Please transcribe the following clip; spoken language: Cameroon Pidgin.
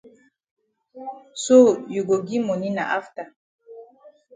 So you go gi moni na afta.